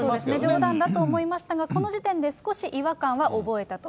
冗談かと思いましたが、この時点で少し違和感は覚えたと。